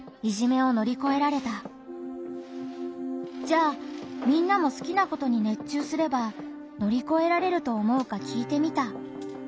じゃあみんなも好きなことに熱中すれば乗り越えられると思うか聞いてみた。